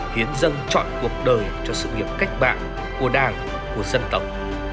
hiến dân chọn cuộc đời cho sự nghiệp cách mạng của đảng của dân tộc